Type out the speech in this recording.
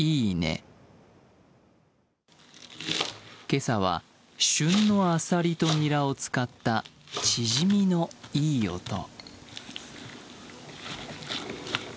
今朝は旬のあさりとニラを使ったチヂミのいい音。